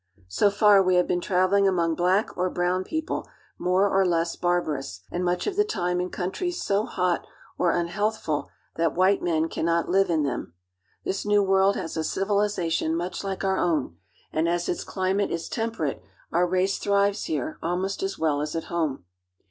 So far we have been traveling among black or brown people more or less barbarous, and much of the time in countries so hot or unhealthful that ^^^ white men can not live in them. This new world has a ^^kpivilization much Uke our own, and as its climate is tem ^^^Pperate our race thrives here almost as well as at home.